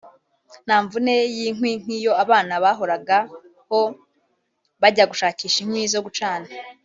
nta mvune y’inkwi nk’iyo abana bahoragaho bajya gushakisha inkwi zo gucana